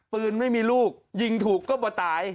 ปืนไม่มีลูกยิงถูกก็ตาย